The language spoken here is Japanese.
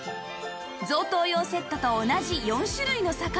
贈答用セットと同じ４種類の魚